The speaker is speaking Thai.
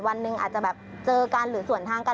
วันหนึ่งอาจจะแบบเจอกันหรือส่วนทางกัน